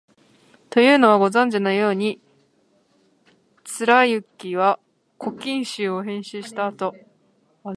というのは、ご存じのように、貫之は「古今集」を編集したあと、